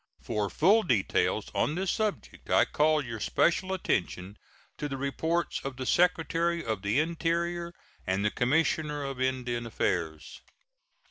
For full details on this subject I call your special attention to the reports of the Secretary of the Interior and the Commissioner of Indian Affairs.